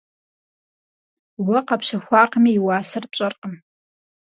Уэ къэпщэхуакъыми, и уасэр пщӀэркъым.